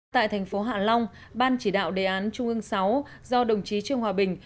tại thành phố hạ long ban chỉ đạo đề án trung ương sáu do đồng chí trương hòa bình